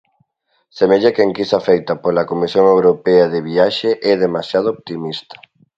Semella que a enquisa feita pola Comisión Europea de Viaxe é demasiado optimista.